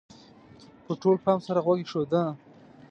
-په ټول پام سره غوږ ایښودنه: